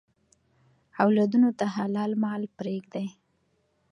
اولادونو ته حلال مال پریږدئ.